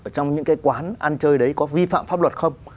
trong những cái quán ăn chơi đấy có vi phạm pháp luật không